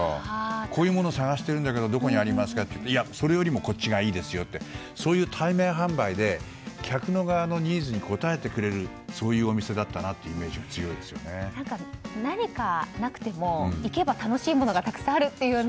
こういうもの探してるんだけどどこにありますかと聞いたらそれよりもこっちがいいですよってそういう対面販売で客側のニーズに応えてくれるお店だったなという何かなくても行けば楽しいものがたくさんあるというね。